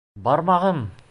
Бармағым!